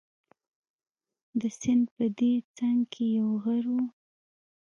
د سیند په دې څنګ کې یو غر وو.